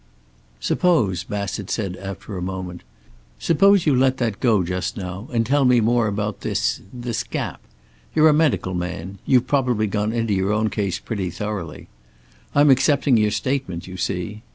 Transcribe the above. "Suppose," Bassett said after a moment, "suppose you let that go just now, and tell me more about this this gap. You're a medical man. You've probably gone into your own case pretty thoroughly. I'm accepting your statement, you see.